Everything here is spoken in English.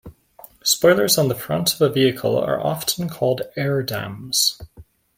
Spoilers on the front of a vehicle are often called air dams.